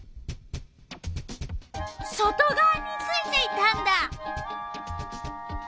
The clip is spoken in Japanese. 外がわについていたんだ！